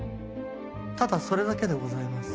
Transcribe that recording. ただそれだけでございます。